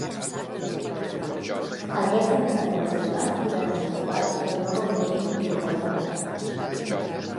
Aquests han estat qüestionats i desenvolupats però no gaudeixen d'un suport general.